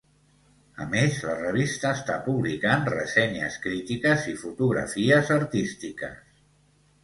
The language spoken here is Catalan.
A més, la revista està publicant ressenyes crítiques i fotografies artístiques.